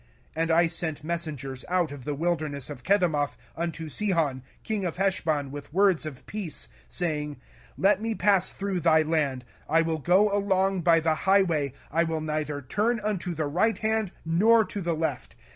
05:002:026 And I sent messengers out of the wilderness of Kedemoth unto Sihon king of Heshbon with words of peace, saying, 05:002:027 Let me pass through thy land: I will go along by the high way, I will neither turn unto the right hand nor to the left.